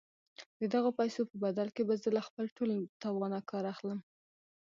د دغو پيسو په بدل کې به زه له خپل ټول توانه کار اخلم.